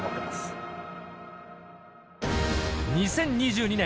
２０２２年